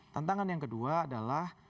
tantangan yang kedua adalah